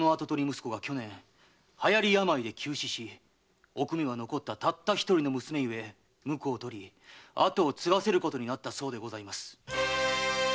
息子が去年流行病で急死しおくめは残ったたった一人の娘ゆえ婿を取り跡を継がせることになったと。